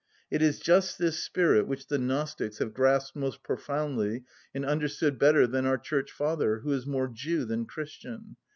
It is just this spirit which the Gnostics have grasped more profoundly and understood better than our Church Father, who is more Jew than Christian.